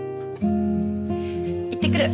いってくる。